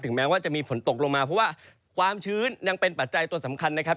แม้ว่าจะมีฝนตกลงมาเพราะว่าความชื้นยังเป็นปัจจัยตัวสำคัญนะครับ